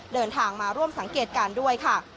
เดินทางมาร่วมสังเกตการณ์ด้วยค่ะ